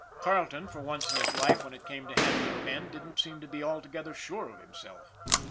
Carleton, for once in his life when it came to hand MARLEY 223 ling men, didn't seem to be altogether sure of himself.